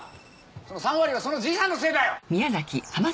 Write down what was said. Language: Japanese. その３割はそのじいさんのせいだよ！